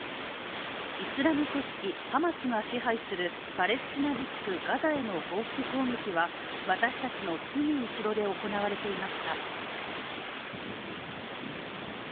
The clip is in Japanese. イスラム組織ハマスが支配するパレスチナ自治区ガザへの報復攻撃は私たちのすぐ後ろで行われていました。